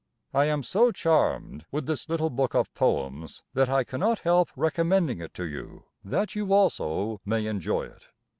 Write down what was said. I am so charmed with this little book of poems that I cannot help recommending it to you, that you also may enjoy it."